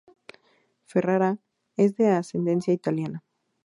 Ferrara es de ascendencia italiana.